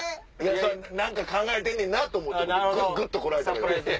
何か考えてねんな！と思ってグッとこらえたけど。